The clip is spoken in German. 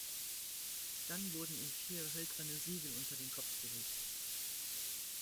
Dann wurden ihm vier hölzerne Siegel unter den Kopf gelegt.